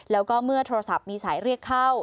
แล้วก็เมื่อโทรศัพท์มีสายเรียกเข้า